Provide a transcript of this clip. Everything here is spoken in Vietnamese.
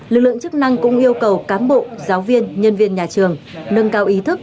lực lượng chức năng cũng yêu cầu cán bộ giáo viên nhân viên nhà trường nâng cao ý thức